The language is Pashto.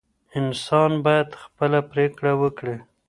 انسان باید خپله پرېکړه وکړي.